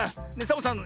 サボさん